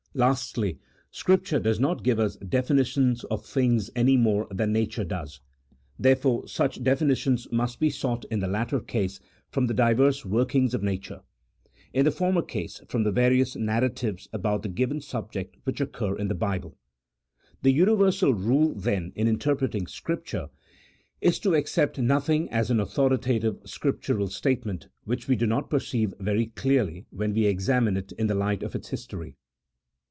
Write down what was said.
Lastly, Scripture does not give us definitions of things. <CHAP. VII.] OF THE INTERPRETATION OF SCRIPTURE. 101 any more than nature does: therefore, such definitions must be sought in the latter case from the diverse workings of nature; in the former case, from the various narratives about the given subject which occur in the Bible. The universal rule, then, in interpreting Scripture is to accept nothing as an authoritative Scriptural statement which we do not perceive very clearly when we examine it in the light of its history.